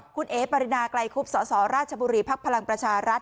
คุณเอ๋ปรินาไกลคุบสสราชบุรีภักดิ์พลังประชารัฐ